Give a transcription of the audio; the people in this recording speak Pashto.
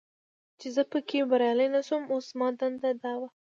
چې زه پکې بریالی نه شوم، اوس زما دنده دا وه.